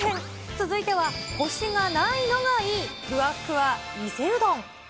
続いてはこしがないのがいい、ふわふわ伊勢うどん。